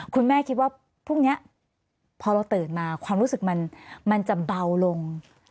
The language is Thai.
คุณแม่คิดว่าพรุ่งนี้พอเราตื่นมาความรู้สึกมันจะเบาลง